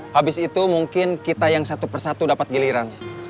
habis itu mungkin kita yang satu persatu dapat giliran